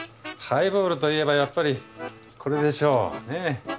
ハイボールといえばやっぱりこれでしょ。